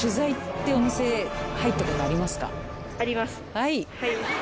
はい。